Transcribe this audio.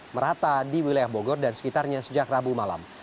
merata di wilayah bogor dan sekitarnya sejak rabu malam